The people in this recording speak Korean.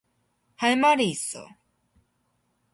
할 말이 있어.